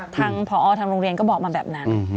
ทางพอทางโรงเรียนก็บอกมาแบบนั้น